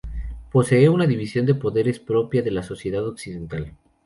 Posee una división de poderes propia de la sociedad occidental.